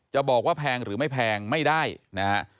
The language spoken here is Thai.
จะบอกว่าแพงหรือไม่แพงไม่ได้นะฮะ